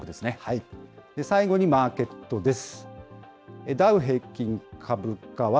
最後にマーケットです。